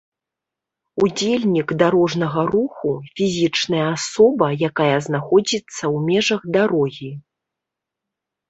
Удзельнік дарожнага руху — фізічная асоба, якая знаходзiцца ў межах дарогі